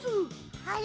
あれ？